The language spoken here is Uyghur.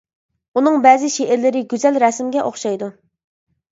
ئۇنىڭ بەزى شېئىرلىرى گۈزەل رەسىمگە ئوخشايدۇ.